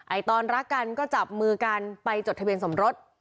ตอนรักกันก็จับมือกันไปจดทะเบียนสมรส